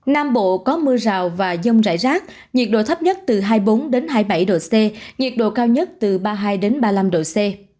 nam bộ có mưa rào và dông rải rác nhiệt độ thấp nhất từ hai mươi bốn hai mươi bảy độ c nhiệt độ cao nhất từ ba mươi hai ba mươi năm độ c